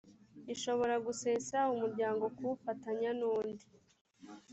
ishobora gusesa umuryango kuwufatanya nundi